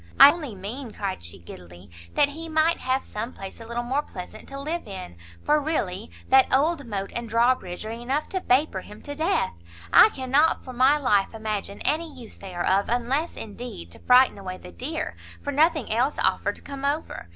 "I only mean," cried she, giddily, "that he might have some place a little more pleasant to live in, for really that old moat and draw bridge are enough to vapour him to death; I cannot for my life imagine any use they are of; unless, indeed, to frighten away the deer, for nothing else offer to come over.